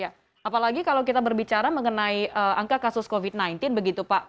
apalagi kalau kita berbicara mengenai angka kasus covid sembilan belas begitu pak